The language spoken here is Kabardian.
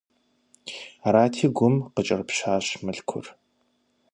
Арати, Гум къыкӀэрыпщӀащ Мылъкур.